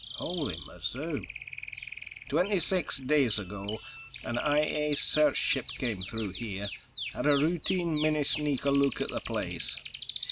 "Holy mazoo!" "Twenty six days ago an I A search ship came through here, had a routine mini sneaker look at the place.